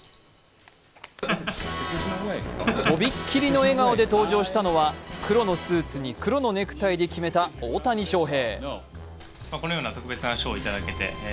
とびっきりの笑顔で登場したのは黒のスーツに黒のネクタイで登場した大谷翔平。